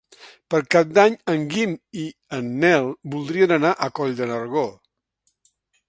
Per Cap d'Any en Guim i en Nel voldrien anar a Coll de Nargó.